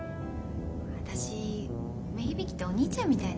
私梅響ってお兄ちゃんみたいだった。